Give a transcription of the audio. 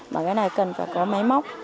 và cái này cần phải có máy móc